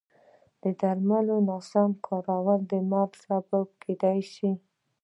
د درملو نه سم استعمال د مرګ سبب کېدای شي.